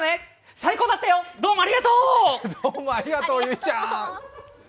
最高だったよ、どうもありがとう！